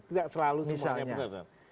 tidak selalu semuanya benar benar